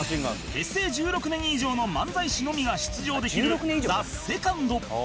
結成１６年以上の漫才師のみが出場できる ＴＨＥＳＥＣＯＮＤ